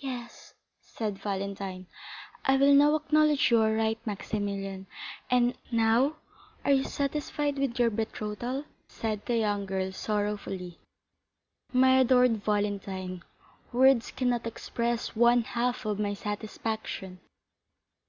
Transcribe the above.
"Yes," said Valentine, "I will now acknowledge you are right, Maximilian; and now are you satisfied with your betrothal?" said the young girl sorrowfully. "My adored Valentine, words cannot express one half of my satisfaction."